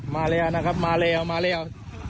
มาแล้วนะครับมาแล้วมาแล้ว